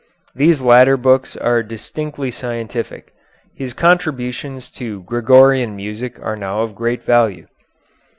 These latter books are distinctly scientific. His contributions to Gregorian Music are now of great value.